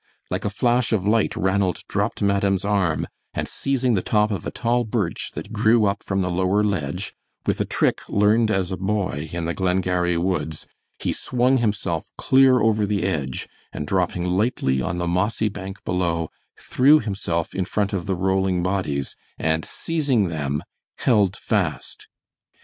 Like a flash of light Ranald dropped madame's arm, and seizing the top of a tall birch that grew up from the lower ledge, with a trick learned as a boy in the Glengarry woods, he swung himself clear over the edge, and dropping lightly on the mossy bank below, threw himself in front of the rolling bodies, and seizing them held fast.